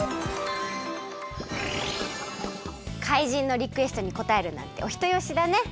かいじんのリクエストにこたえるなんておひとよしだね。